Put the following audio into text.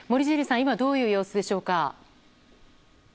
今どういう様子でしょうか？